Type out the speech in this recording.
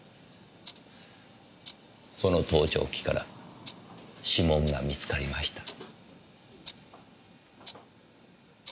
その盗聴器から指紋が見つかりました。